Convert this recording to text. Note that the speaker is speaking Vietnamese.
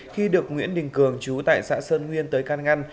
khi được nguyễn đình cường chú tại xã sơn nguyên tới can ngăn